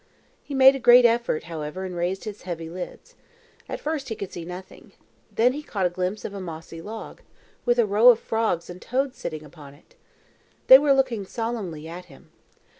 He made a great effort, however, and raised his heavy lids. At first he could see nothing. Then he caught a glimpse of a mossy log, with a row of frogs and toads sitting upon it. They were looking solemnly at him.